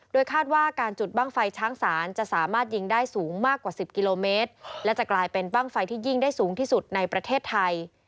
โดยคาดว่าการจุดบ้างไฟช้างศาลจะสามารถยิงได้สูงมากกว่า๑๐กิโลเมตรและจะกลายเป็นบ้างไฟที่ยิ่งได้สูงที่สุดในประเทศไทย